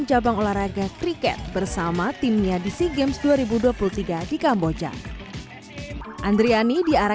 cabang olahraga triket bersama timnya di sea games dua ribu dua puluh tiga di kamboja andriani diarah